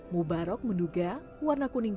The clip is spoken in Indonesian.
mubarok menduga warna kuning